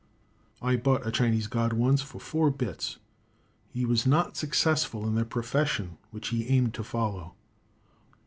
I bought a Chinese god once, for four bits. He was not successful in the profession which he aimed to follow.